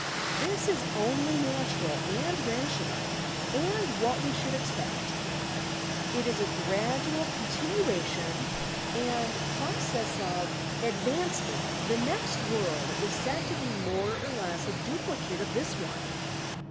This is only natural and rational and what we should expect. It is a gradual continuation and process of ad 50 YOUR PSYCHIC POWERS vancement. The next world is said to be more or less a duplicate of this one.